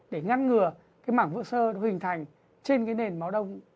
để ngăn ngừa cái mảng vữa sơ nó hình thành trên cái nền máu đông